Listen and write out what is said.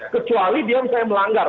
kecuali dia misalnya melanggar